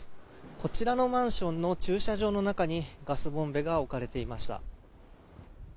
こちらのマンションの駐車場の中にガスボンベが置かれていました。